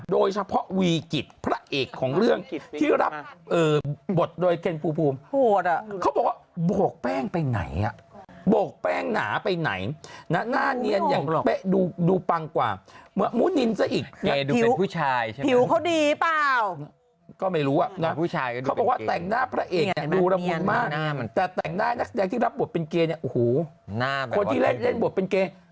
โดยเฉพาะวีกิจพระเอกของเรื่องที่รับเอ่อบทโดยเข็นภูมิภูมิเขาบอกว่าโบกแป้งไปไหนอะโบกแป้งหนาไปไหนนะหน้าเนียนอย่างดูดูปังกว่าเหมือนมุนินซะอีกแกดูเป็นผู้ชายใช่ไหมผิวเขาดีเปล่าก็ไม่รู้อะแต่ผู้ชายก็ดูเป็นเกรแต่แต่งหน้านักแสดงที่รับบทเป็นเกรเนี่ยโอ้